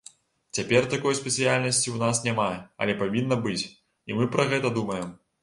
Цяпер такой спецыяльнасці ў нас няма, але павінна быць, і мы пра гэта думаем.